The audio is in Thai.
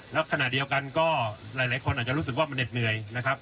แล้วขณะเดียวกันก็หลายคนอาจจะรู้สึกว่ามันเหน็ดเหนื่อยนะครับ